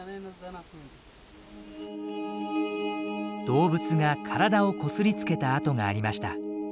動物が体をこすりつけた跡がありました。